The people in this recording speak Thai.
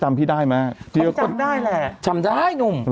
เขาไม่จำได้จำได้หนุ่ม